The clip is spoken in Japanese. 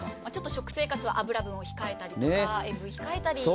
食生活は油分を控えたりとか塩分を控えたり。